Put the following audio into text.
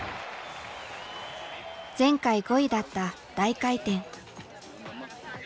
前回５位だった大回転。